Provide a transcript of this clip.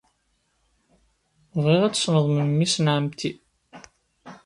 Bɣiɣ ad tessneḍ memmi-s n ɛemmti.